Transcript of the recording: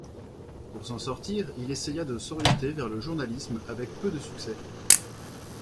Pour s'en sortir, il essaya de s'orienter vers le journalisme, avec peu de succès.